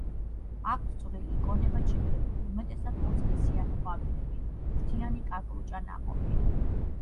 აქვთ წვრილი, კონებად შეკრებილი, უმეტესად ორსქესიანი ყვავილები, ფრთიანი კაკლუჭა ნაყოფი.